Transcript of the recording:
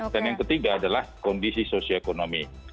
dan yang ketiga adalah kondisi sosioekonomi